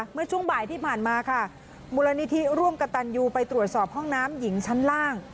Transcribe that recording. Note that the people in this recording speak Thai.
เมื่อช่วงบ่ายที่ผ่านมาค่ะมูลนิธิร่วมกับตันยูไปตรวจสอบห้องน้ำหญิงชั้นล่าง